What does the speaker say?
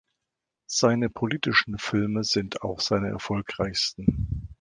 Seine politischen Filme sind auch seine erfolgreichsten.